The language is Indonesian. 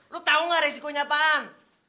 lu tau gak resikonya apaan